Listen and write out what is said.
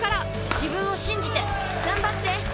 自分を信じて頑張って！